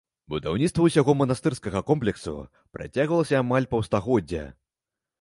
Будаўніцтва ўсяго манастырскага комплексу працягвалася амаль паўстагоддзя.